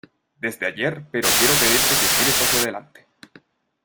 desde ayer, pero quiero pedirte que mires hacia adelante.